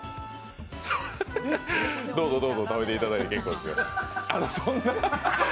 どうぞどうぞ食べていただいていいですよ。